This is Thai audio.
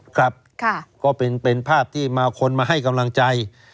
ครับก็เป็นภาพที่มาคนมาให้กำลังใจ